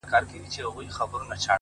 لوړ همت له ستونزو لوړ الوت کوي؛